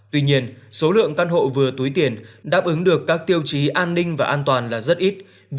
tuy nhiên số lượng căn hộ vừa túi tiền đáp ứng được các tiêu chí an ninh và an toàn là rất ít